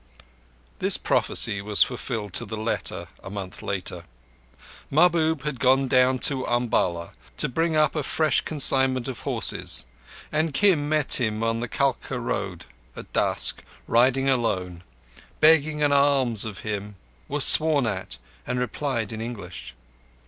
This prophecy was fulfilled to the letter a month later. Mahbub had gone down to Umballa to bring up a fresh consignment of horses, and Kim met him on the Kalka road at dusk riding alone, begged an alms of him, was sworn at, and replied in English.